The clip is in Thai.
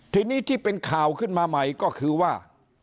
ทีนี้ที่เป็นข่าวขึ้นมาใหม่ก็คือว่า